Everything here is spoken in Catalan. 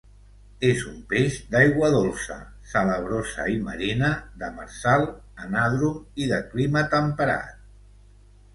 És un peix d'aigua dolça, salabrosa i marina; demersal; anàdrom i de clima temperat.